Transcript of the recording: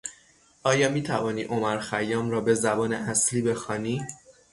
آیا میتوانی عمرخیام را به زبان اصلی بخوانی؟